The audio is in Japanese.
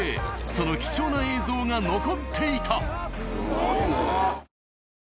その貴重な映像が残っていた！